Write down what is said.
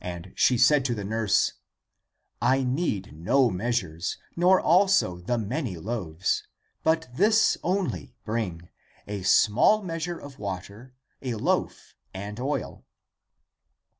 ACTS OF THOMAS 325 she said to the nurse, " I need no measures, nor also the many loaves, but this only bring: a small meas ure of water, a loaf and oil."